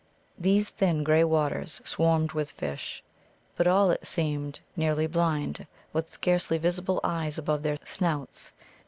These thin grey waters swarmed with fish, but all, it seemed, nearly blind, with scarcely visible eyes above their snouts.